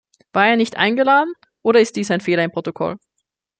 War er nicht eingeladen oder ist dies ein Fehler im Protokoll?